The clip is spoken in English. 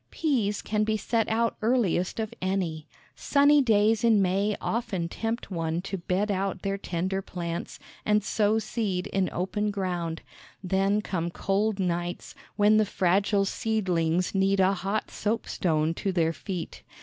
Peas can be set out earliest of any. Sunny days in May often tempt one to bed out their tender plants, and sow seed in open ground; then come cold nights, when the fragile seedlings need a hot soapstone to their feet.